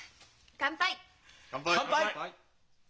乾杯！